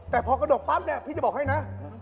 แต่พอกระดกปั๊บเนี่ยพี่จะบอกให้นะ